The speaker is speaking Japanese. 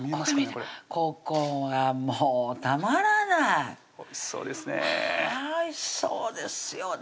これここがもうたまらないおいしそうですねおいしそうですよね